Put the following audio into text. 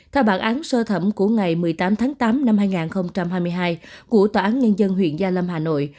theo bản án sơ thẩm của ngày một mươi tám tháng tám năm hai nghìn hai mươi hai của tòa án nhân dân huyện gia lâm hà nội